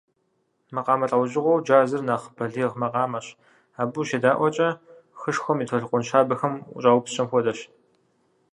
Макъамэ лӏэужьыгъуэу джазыр нэхъ бэлигъ макъамэщ, абы ущедаӏуэкӏэ, хышхуэм и толъкун щабэхэм ущӏаупскӏэм хуэдэщ.